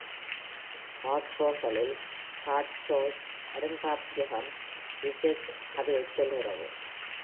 ஹர்ட்ஷால்களில், ஹர்ட்ஷால்ஸ் அருங்காட்சியகம் "பிஜெஸ்க்" கதையைச் சொல்கிறது.